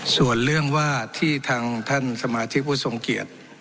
ส่วนเรื่องว่าที่ทางท่านสมาชิกผู้ทรงเกียจ